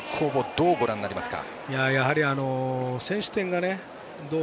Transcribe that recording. どうご覧になりますか。